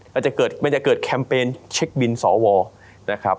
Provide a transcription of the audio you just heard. มันจะเกิดมันจะเกิดแคมเปญเช็คบินสวนะครับ